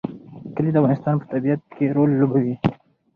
کلي د افغانستان په طبیعت کې رول لوبوي.